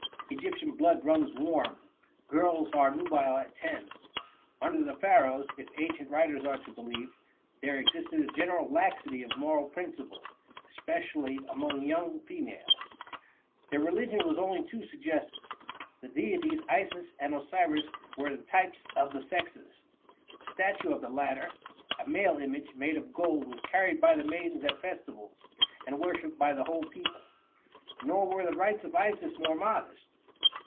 Egyptian blood runs warm; girls are nubile at ten. Under the Pharaohs, if ancient writers are to be believed, there existed a general laxity of moral principle, especially among young females. Their religion was only too suggestive. The deities Isis and Osiris were the types of the sexes. A statue of the latter, a male image, made of gold, was carried by the maidens at festivals, and worshiped by the whole people. Nor were the rites of Isis more modest.